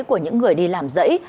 của những người đi làm rẫy